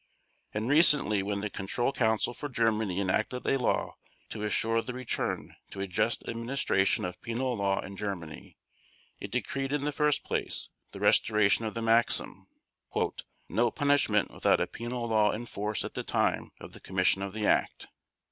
And recently when the Control Council for Germany enacted a law to assure the return to a just administration of penal law in Germany, it decreed in the first place the restoration of the maxim, "No punishment without a penal law in force at the time of the commission of the act".